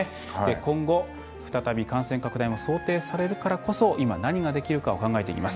今後、再び感染拡大も想定されるからこそ今、何ができるかを考えていきます。